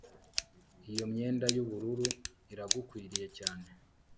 Iyo myenda yubururu iragukwiriye cyane